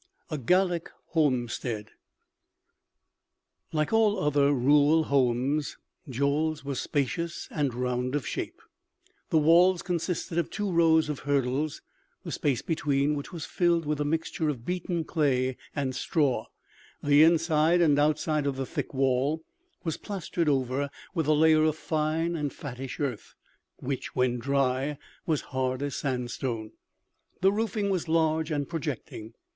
A GALLIC HOMESTEAD. Like all other rural homes, Joel's was spacious and round of shape. The walls consisted of two rows of hurdles, the space between which was filled with a mixture of beaten clay and straw; the inside and outside of the thick wall was plastered over with a layer of fine and fattish earth, which, when dry, was hard as sandstone. The roofing was large and projecting.